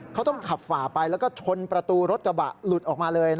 เขาต้องขับฝ่าไปแล้วก็ชนประตูรถกระบะหลุดออกมาเลย